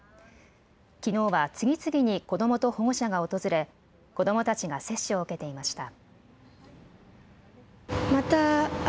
きのうは次々に子どもと保護者が訪れ子どもたちが接種を受けていました。